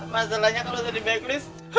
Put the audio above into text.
masalahnya kalau jadi backlist